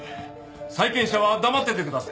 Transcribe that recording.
債権者は黙っててください。